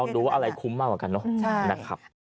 ดูว่าอะไรคุ้มมากกว่ากันเนอะนะครับ